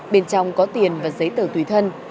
bên trong có tiền và giấy tờ thuyền